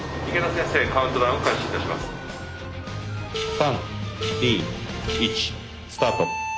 ３２１スタート。